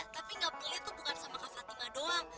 tapi gapelit tuh bukan sama kak fatima doang